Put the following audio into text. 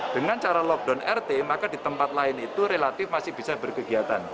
dengan cara lockdown rt maka di tempat lain itu relatif masih bisa berkegiatan